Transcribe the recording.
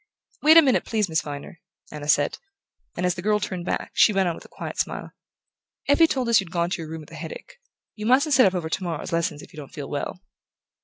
"Wait a minute, please, Miss Viner," Anna said; and as the girl turned back, she went on with her quiet smile: "Effie told us you'd gone to your room with a headache. You mustn't sit up over tomorrow's lessons if you don't feel well."